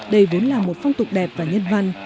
đây vốn là một phong tục đẹp và nhân văn